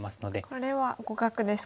これは互角ですか？